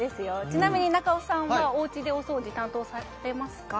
ちなみに中尾さんはおうちでお掃除担当されてますか？